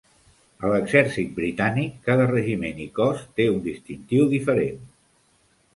A l'exèrcit britànic, cada regiment i cos té un distintiu diferent.